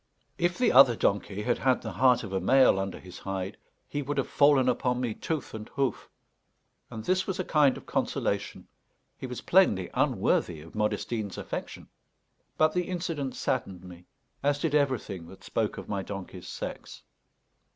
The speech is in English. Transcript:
If the other donkey had had the heart of a male under his hide, he would have fallen upon me tooth and hoof; and this was a kind of consolation he was plainly unworthy of Modestine's affection. But the incident saddened me, as did everything that spoke of my donkey's sex.